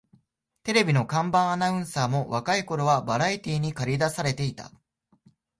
テレビの看板アナウンサーも若い頃はバラエティーにかり出されていた